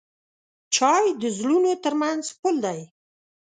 چای د زړونو ترمنځ پل دی.